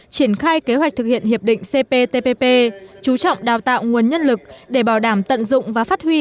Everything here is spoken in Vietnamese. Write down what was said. triển khai kế hoạch thực hiện hiệp định cptpp chú trọng đào tạo nguồn nhân lực để bảo đảm tận dụng và phát huy